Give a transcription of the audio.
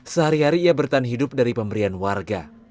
sehari hari ia bertahan hidup dari pemberian warga